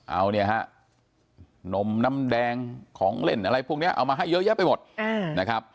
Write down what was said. เอาเนี่ยฮะนมน้ำแดงของเล่นอะไรพวกนี้เอามาให้เยอะแยะไปหมดนะครับ